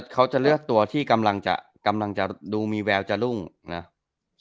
เขาจะเลือกตัวที่กำลังจะดูมีแววจะรุ่งนะ